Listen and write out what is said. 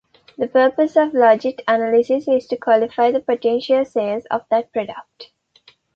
The purpose of logit analysis is to quantify the potential sales of that product.